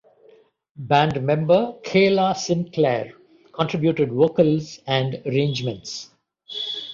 Band member Kaela Sinclair contributed vocals and arrangements.